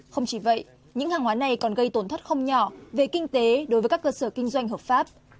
không chỉ vậy những hàng hóa này còn gây tổn thất không nhỏ về kinh tế đối với các cơ sở kinh doanh hợp pháp